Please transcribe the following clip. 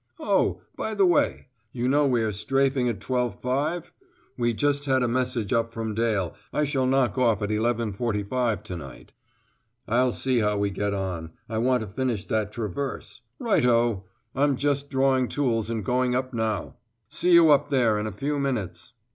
Oh! by the way, you know we are strafing at 12.5? We just had a message up from Dale. I shall knock off at 11.45 to night!" "I'll see how we get on. I want to finish that traverse. Righto. I'm just drawing tools and going up now." "See you up there in a few minutes."